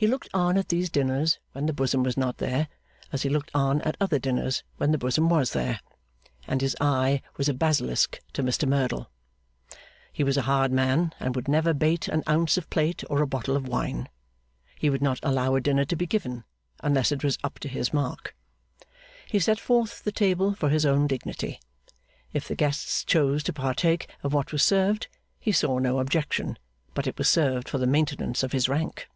He looked on at these dinners when the bosom was not there, as he looked on at other dinners when the bosom was there; and his eye was a basilisk to Mr Merdle. He was a hard man, and would never bate an ounce of plate or a bottle of wine. He would not allow a dinner to be given, unless it was up to his mark. He set forth the table for his own dignity. If the guests chose to partake of what was served, he saw no objection; but it was served for the maintenance of his rank.